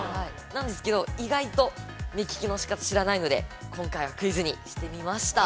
◆なんですけど、意外と目利きの仕方を知らないので、今回はクイズにしてみました。